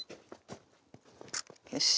よし。